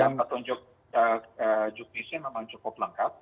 yang ketunjuk juknisnya memang cukup lengkap